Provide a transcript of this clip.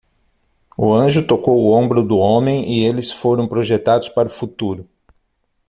O anjo tocou o ombro do homem e eles foram projetados para o futuro.